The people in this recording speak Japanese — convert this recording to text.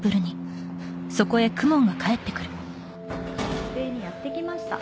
「バス停にやって来ました」